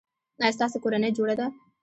ایا ستاسو کورنۍ جوړه ده؟